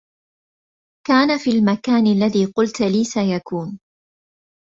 كان في المكان الذي قلت لي سيكون.